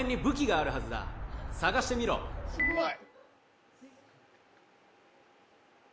・あすごい！